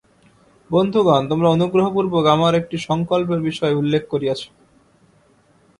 বন্ধুগণ, তোমরা অনুগ্রহপূর্বক আমার একটি সঙ্কল্পের বিষয় উল্লেখ করিয়াছ।